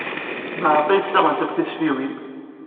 Maɣef ay ssaɣent akk tisfiwin?